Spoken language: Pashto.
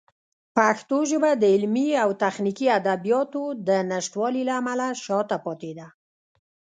پښتو ژبه د علمي او تخنیکي ادبیاتو د نشتوالي له امله شاته پاتې ده.